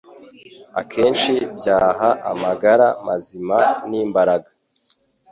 akenshi byaha amagara mazima n’imbaraga